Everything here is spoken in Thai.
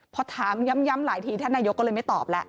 พอถามย้ำหลายทีท่านนายกก็เลยไม่ตอบแล้ว